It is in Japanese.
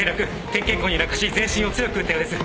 点検口に落下し全身を強く打ったようです。